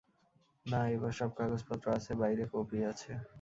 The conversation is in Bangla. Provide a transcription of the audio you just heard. না, এবার সব কাগজপত্র আছে, বাইরে কপি আছে।